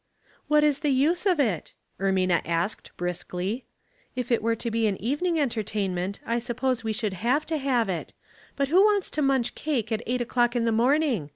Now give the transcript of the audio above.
"What is the use of it?" Ermina asked, briskly. " If it were to be an evening enter tainment I suppose we should have to have it; but who wants to munch cake at eight o'clock in the morning